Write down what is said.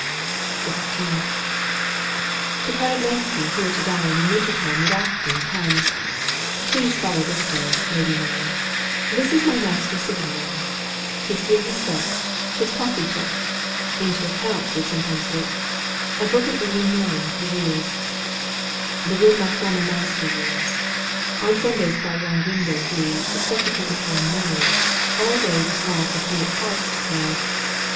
XVI. " Departed Lenski here to diue In winter time would often come. Please follow this way, lady mine, This is my master's sitting room. 'Tis here he slept, his coffee took. Into accounts would sometimes look, A book at early mom perused. The room my former master used. On Simdays by yon window he, Spectacles upon nose, aU day Was wont with me at cards to play.